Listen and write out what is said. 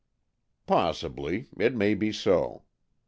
" Possibly. It may be so.